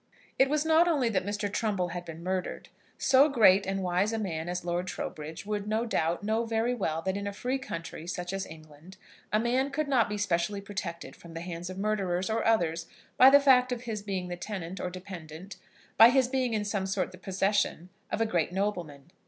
It was not only that Mr. Trumbull had been murdered. So great and wise a man as Lord Trowbridge would, no doubt, know very well, that in a free country, such as England, a man could not be specially protected from the hands of murderers, or others, by the fact of his being the tenant, or dependent, by his being in some sort the possession of a great nobleman.